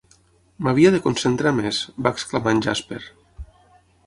"M'havia de concentrar més", va exclamar en Jasper.